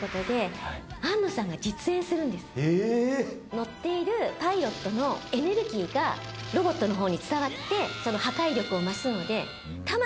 乗っているパイロットのエネルギーがロボットのほうに伝わって破壊力を増すので。